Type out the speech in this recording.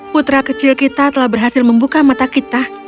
putra kecil kita telah berhasil membuka mata kita